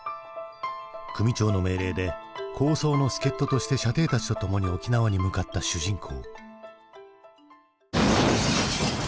組長の命令で抗争の助っととして舎弟たちとともに沖縄に向かった主人公。